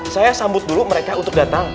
saya sambut dulu mereka untuk datang